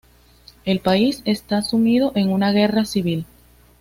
El país está sumido en una guerra civil.